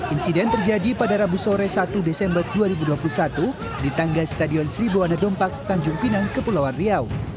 insiden terjadi pada rabu sore satu desember dua ribu dua puluh satu di tangga stadion sribuana dompak tanjung pinang kepulauan riau